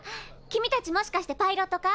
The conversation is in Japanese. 君たちもしかしてパイロット科？